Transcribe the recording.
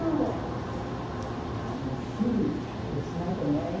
疑問はすぐ解決しないとね。